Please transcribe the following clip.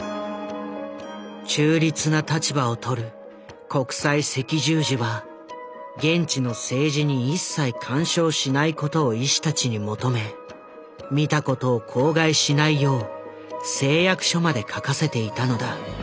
中立な立場を取る国際赤十字は現地の政治に一切干渉しないことを医師たちに求め見たことを口外しないよう誓約書まで書かせていたのだ。